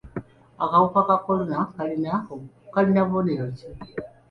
Akawuka ka kolona kalina bubonero ki?